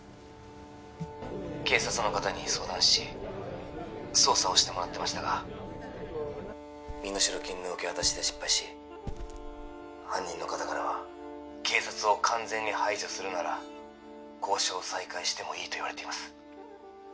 警察の方に相談し捜査をしてもらってましたが身代金の受け渡しで失敗し犯人の方からは警察を完全に排除するなら交渉を再開してもいいと言われています